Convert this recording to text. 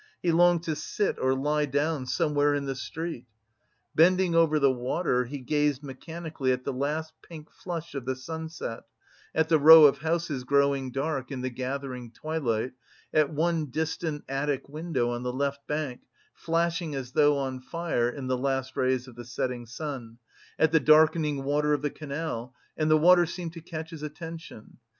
He longed to sit or lie down somewhere in the street. Bending over the water, he gazed mechanically at the last pink flush of the sunset, at the row of houses growing dark in the gathering twilight, at one distant attic window on the left bank, flashing as though on fire in the last rays of the setting sun, at the darkening water of the canal, and the water seemed to catch his attention.